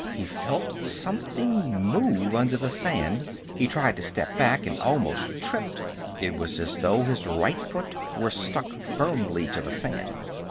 He felt something move under the sand. He tried to step back, and almost tripped. It was as though his right foot were stuck firmly to the sand!